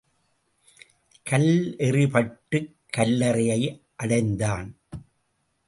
கல்லெறிப்பட்டுக் கல்லறையை அடைந்தான்.